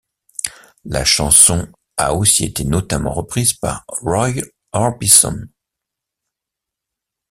La chanson a aussi été notamment reprise par Roy Orbison.